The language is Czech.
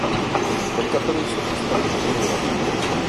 Karikatury se přestaly zveřejňovat.